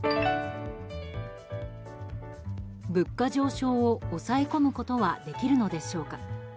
物価上昇を抑え込むことはできるのでしょうか。